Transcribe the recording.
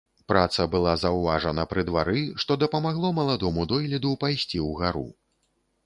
Праца была заўважана пры двары, што дапамагло маладому дойліду пайсці ўгару.